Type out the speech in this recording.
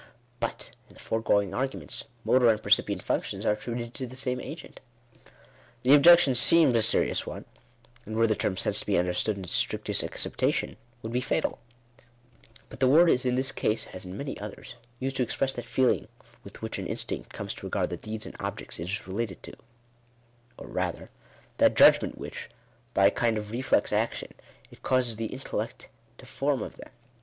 But in the fore going arguments, motor and percipient functions are attributed to the same agent. The objection seems a serious one ; and were the term sense Digitized by VjOOQIC INTRODUCTION. 25 to be understood in its strictest acceptation, would be fatal. But the word is in this case, as in many others, used to express that feeling with which an instinct comes to regard the deeds and objects it is related to ; or rather that judgment which, by a kind of reflex action, it causes the intellect to form of them.